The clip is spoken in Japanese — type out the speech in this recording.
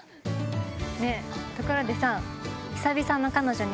ねぇところでさ。